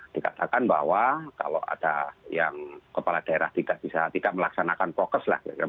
dikatakan bahwa kalau ada yang kepala daerah tidak melaksanakan progres lah